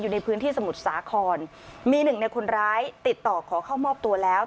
ในพื้นที่สมุทรสาครมีหนึ่งในคนร้ายติดต่อขอเข้ามอบตัวแล้ว